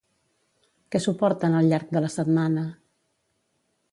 Què suporten al llarg de la setmana?